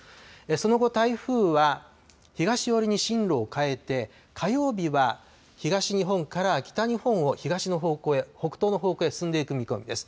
その後、台風は東寄りに進路を変えて、火曜日は東日本から北日本を東の方向へ、北東の方向へ進んでいく見込みです。